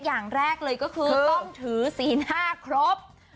อย่างแรกเลยก็คือต้องถือศีล๕ครบ